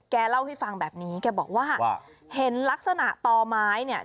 แกเล่าให้ฟังแบบนี้แกบอกว่าเห็นลักษณะต่อไม้เนี่ย